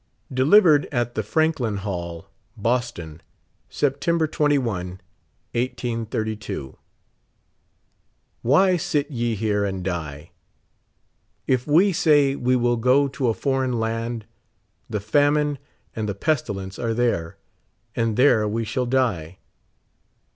DELIVERED AT THE FRANKLIN HALL, BOSTON, SEPTEM BER 21, 1832. Wi\y sit ye here and die? If we say we will go to a foreitjn land, the famine and the pestilence are there, and there we shall die.